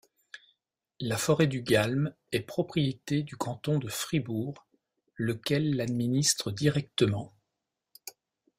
La forêt du Galm est propriété du canton de Fribourg, lequel l'administre directement.